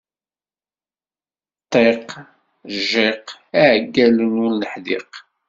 Ṭṭiq jjiq iɛeggalen ur neḥdiq!